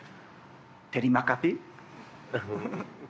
テリマカシ。